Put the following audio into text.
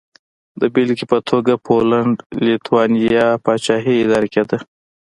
د بېلګې په توګه پولنډ-لېتوانیا پاچاهي اداره کېده.